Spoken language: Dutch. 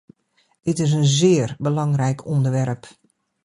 Dit is een zeer belangrijk onderwerp.